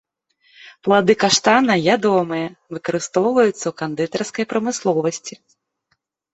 Плады каштана ядомыя, выкарыстоўваюцца ў кандытарскай прамысловасці.